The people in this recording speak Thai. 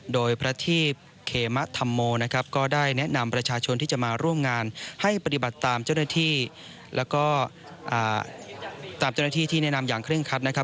โดยพระทีพเคมะธัมโมนะครับก็ได้แนะนำประชาชนที่จะมาร่วมงานให้ปฏิบัติตามเจ้าหน้าที่แล้วก็ตามเจ้าหน้าที่ที่แนะนำอย่างเร่งคัดนะครับ